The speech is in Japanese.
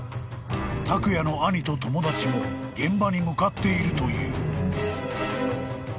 ［たくやの兄と友だちも現場に向かっているという］